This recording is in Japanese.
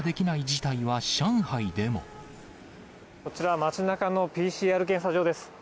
こちら、町なかのＰＣＲ検査場です。